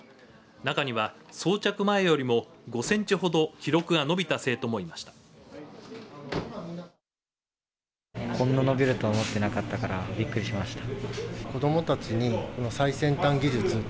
中には装着前よりも５センチほど記録が伸びた生徒もいました。